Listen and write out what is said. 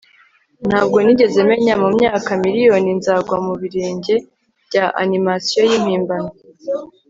ntabwo nigeze menya mumyaka miriyoni nzagwa mubirenge bya animasiyo yimpimbano